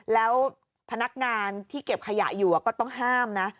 แล้วพนักงานที่เก็บขยะอยู่ก็ต้องห้ามนะ